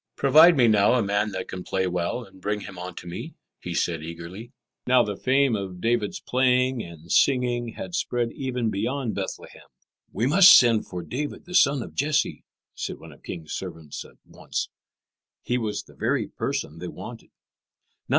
"Provide me now a man that can play well, and bring him unto me," he said eagerly. Now the fame of David's playing and singing had spread even beyond Bethlehem. "We must send for David, the son of Jesse," said the king's servants at once. He was the very person they wanted.